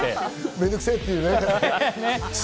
めんどくせぇっていうね。